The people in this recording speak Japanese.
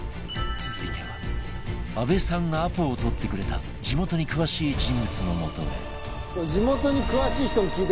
続いては安部さんがアポを取ってくれた「地元に詳しい人に聞いてください」